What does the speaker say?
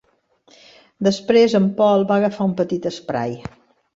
Després en Paul va agafar un petit esprai.